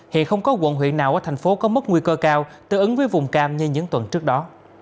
hiện không có quận huyện nào ở thành phố có mức nguy cơ cao tự ứng với vùng cam như những tuần trước đó